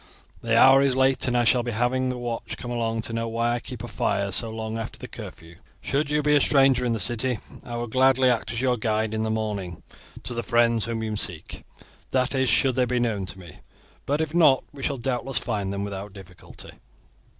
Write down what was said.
The hour is late, and I shall be having the watch coming along to know why I keep a fire so long after the curfew. Should you be a stranger in the city, I will gladly act as your guide in the morning to the friends whom you seek, that is, should they be known to me; but if not, we shall doubtless find them without difficulty."